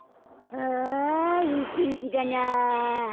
あいいてんきだな。